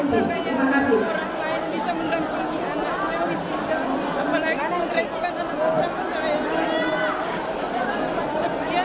sarjana manjimeng adalah mahasiswa dari fakultas ekonomi